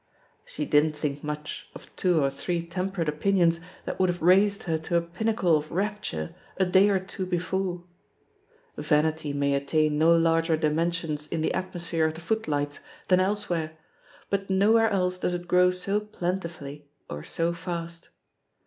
'' She "didn't think much" of two or three temperate opinions that would have raised her to a pinnacle of rapture a day or two «68 THE POSITION OF PEGGY HARPEB before. Vanity may attain no larger dimen sions in the atmosphere of the footlights than elsewhere, but nowhere else does it grow so plen tifully, or so fast.